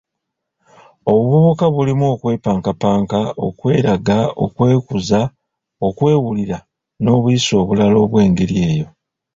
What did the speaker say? Obuvubuka bulimu okwepankapanka, okweraga, okwekuza, okwewulira, n‘obuyisa obulala obw‘engeri eyo.